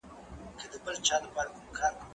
زه کولای سم کښېناستل وکړم؟